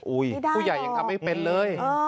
ผู้ใหญ่ยังทำไม่เป็นเลย